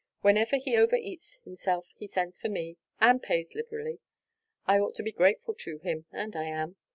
Whenever he overeats himself he sends for me; and pays liberally. I ought to be grateful to him, and I am.